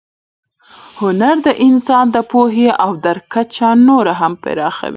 هنر د انسان د پوهې او درک کچه نوره هم پراخوي.